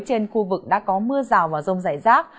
trên khu vực đã có mưa rào và rông rải rác